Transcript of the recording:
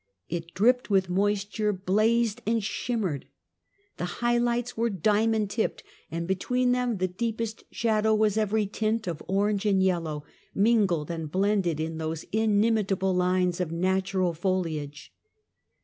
It dripped with moisture, blazed and shimmered. The high lights were diamond tipped, and between them and the deepest shadow was every tint of orange and yellow, mingled and blended in those inimitable lines of nat ural foliage.